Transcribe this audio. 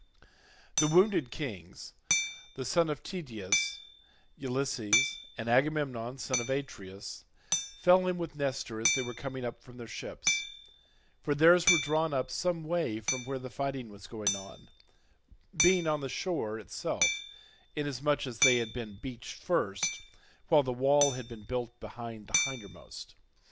The wounded kings, the son of Tydeus, Ulysses, and Agamemnon son of Atreus, fell in with Nestor as they were coming up from their ships—for theirs were drawn up some way from where the fighting was going on, being on the shore itself inasmuch as they had been beached first, while the wall had been built behind the hindermost.